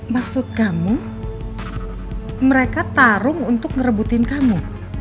maksud kamu mereka tarung untuk ngerebutin kamu